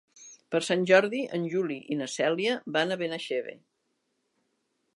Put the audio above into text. Per Sant Jordi en Juli i na Cèlia van a Benaixeve.